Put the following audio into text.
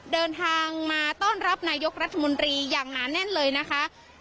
เดินทางมาต้อนรับนายกรัฐมนตรีอย่างหนาแน่นเลยนะคะ